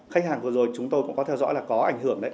khách hàng vừa rồi chúng tôi cũng có theo dõi là có ảnh hưởng đấy